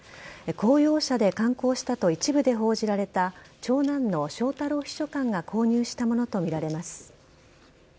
公用車で観光したと一部で報じられた長男の翔太郎秘書官が購入したものと見られます。